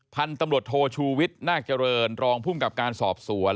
พันธุ์ตำรวจโทชูวิทย์นาคเจริญรองภูมิกับการสอบสวน